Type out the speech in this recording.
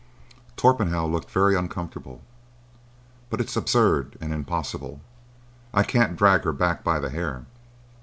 Torpenhow looked very uncomfortable. "But it's absurd and impossible. I can't drag her back by the hair."